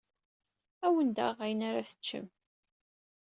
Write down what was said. Ad awen-d-aɣeɣ ayen ara teččem.